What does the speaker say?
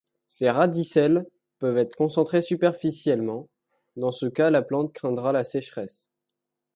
Ces radicelles peuvent être concentrées superficiellement, dans ce cas la plante craindra la sécheresse.